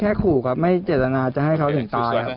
ไม่ครับแค่ขู่ครับไม่มีเจตนาจะให้เขาเสียตาย